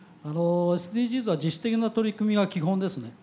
ＳＤＧｓは自主的な取り組みが基本ですね。